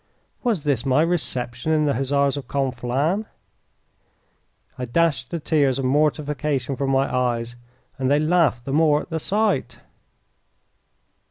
Was this my reception in the Hussars of Conflans? I dashed the tears of mortification from my eyes, and they laughed the more at the sight.